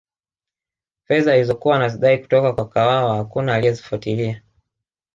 fedha alizokuwa anazidai kutoka kwa kawawa hakuna aliyezifuatilia